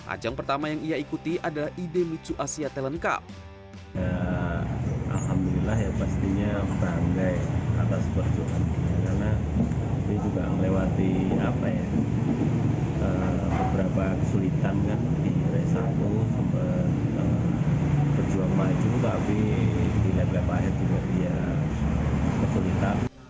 ajang pertama yang ia ikuti adalah idmicu asia talent